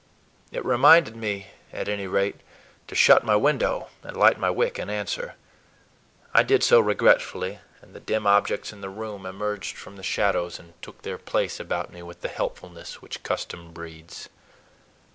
It reminded me, at any rate, to shut my window and light my wick in answer. I did so regretfully, and the dim objects in the room emerged from the shadows and took their place about me with the helpfulness which custom breeds.